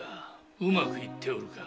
うまくいっておるか。